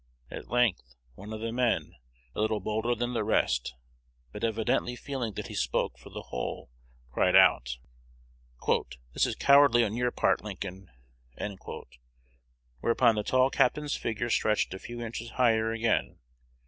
At length one of the men, a little bolder than the rest, but evidently feeling that he spoke for the whole, cried out, "This is cowardly on your part, Lincoln!" Whereupon the tall captain's figure stretched a few inches higher again.